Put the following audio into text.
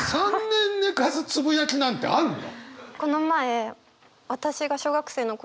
３年寝かすつぶやきなんてあるの！？